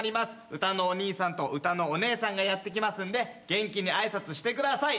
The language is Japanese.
うたのおにいさんとうたのおねえさんがやって来ますんで元気に挨拶してください。